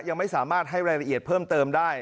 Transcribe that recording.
ยังไม่สามารถให้รายละเอียดเพิ่มเติมได้